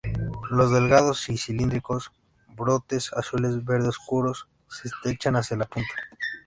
Los delgados y cilíndricos brotes azules-verdes oscuros se estrechan hacia la punta.